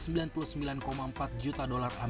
sementara impor indonesia dari australia